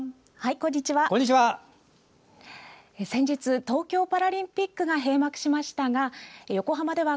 こんにちは。